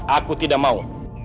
aku tidak mau